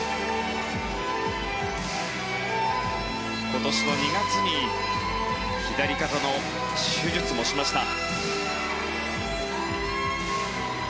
今年の２月に左肩の手術もしました。